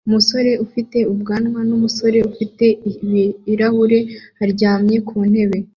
Umusore ufite ubwanwa n'umusore ufite ibirahure aryamye ku ntebe